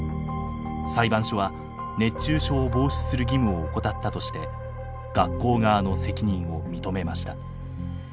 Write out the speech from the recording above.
裁判所は熱中症を防止する義務を怠ったとして学校側の責任を認めました。